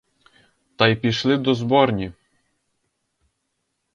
Та й пішли до зборні.